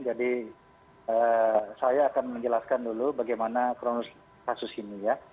jadi saya akan menjelaskan dulu bagaimana kronos kasus ini ya